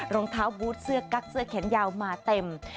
รองเท้าบูธเสื้อกั๊กเสื้อแขนยาวมาเต็ม